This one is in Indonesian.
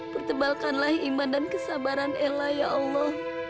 pertebalkanlah iman dan kesabaran ella ya allah